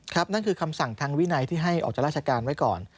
นั่นคือคำสั่งทางวินัยที่ให้ออกจากราชการไว้ก่อน